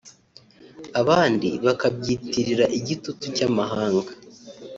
abandi bakabyitirira igitutu cy’amahanga